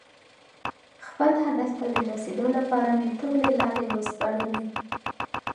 خپل هدف ته د رسېدو لپاره مې ټولې لارې وسپړلې.